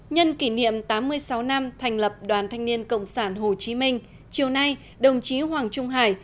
nhân kỷ niệm tám mươi sáu năm thành lập đoàn thanh niên cộng sản hồ chí minh chiều nay đồng chí hoàng trung hải